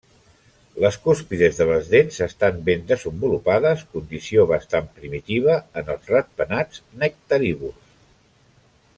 Les cúspides de les dents estan ben desenvolupades, condició bastant primitiva en els ratpenats nectarívors.